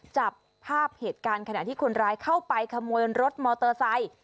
จับภาพเหตุการณ์ขณะที่คนร้ายเข้าไปขโมยรถมอเตอร์ไซค์